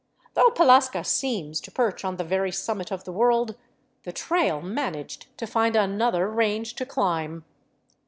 Though Pallasca seems to perch on the very summit of the world, the trail managed to find another range to climb.